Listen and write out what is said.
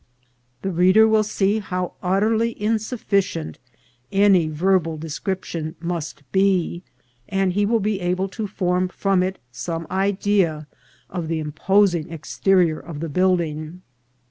The reader will see how utterly insufficient any verbal de scription must be, and he will be able to form from it some idea of the imposing exterior of the building.